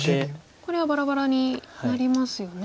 これはバラバラになりますよね。